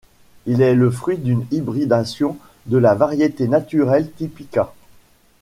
Il est le fruit d'une hybridation de la variété naturelle Typica.